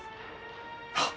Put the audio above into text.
あっ！